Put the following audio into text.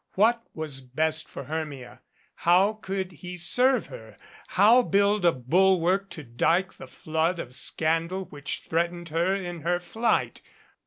What was best for Hermia? How could he serve her? How build a bulwark to dyke the flood of scandal which threatened her in her flight?